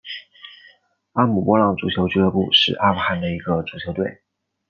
阿姆波浪足球俱乐部是阿富汗的一个足球队。